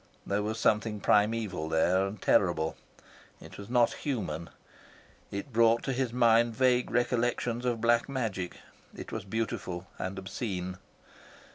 There was something primeval there and terrible. It was not human. It brought to his mind vague recollections of black magic. It was beautiful and obscene.